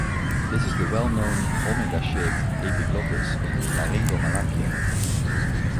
This is the well known "omega shaped" epiglottis in laryngomalacia.